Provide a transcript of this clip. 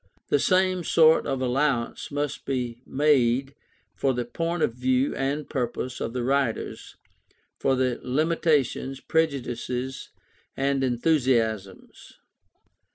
The same sort of allowance must be made for the point of view and purpose of the writers, for their limitations, prejudices, and enthusiasms.